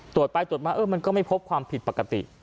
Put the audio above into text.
ตรวจไปตรวจมาเออมันก็ไม่พบความผิดปกติ